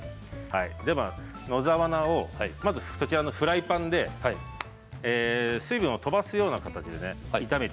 では野沢菜をまずそちらのフライパンで水分をとばすような形でね炒めていきます。